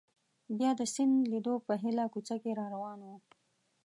بیا د سیند لیدو په هیله کوڅه کې را روان وو.